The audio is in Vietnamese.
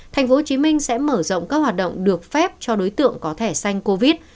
tp hcm sẽ mở rộng các hoạt động được phép cho đối tượng có thẻ xanh covid